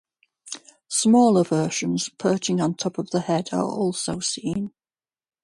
Smaller versions perching on top of the head are also seen.